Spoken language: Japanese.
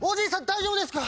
大丈夫ですか